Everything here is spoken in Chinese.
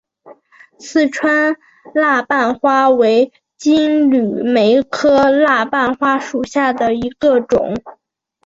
四川蜡瓣花为金缕梅科蜡瓣花属下的一个种。